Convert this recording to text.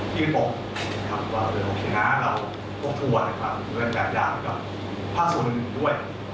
ที่ตกครับว่าเรื่องของขนาดเราตกอ่วนครับเรื่องแบบอย่างกับภาคศูนย์ด้วย